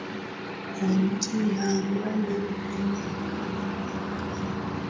Kwa njia ambayo kwa miaka na miaka ya